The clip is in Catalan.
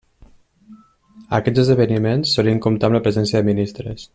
Aquests esdeveniments solien comptar amb la presència de ministres.